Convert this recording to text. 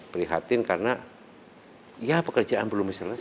prihatin karena ya pekerjaan belum selesai